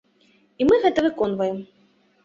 І мы гэта выконваем!